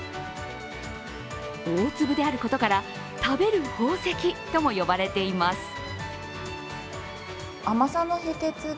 大粒であることから、食べる宝石とも呼ばれています。